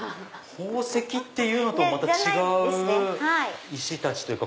宝石っていうのとはまた違う石たちというか。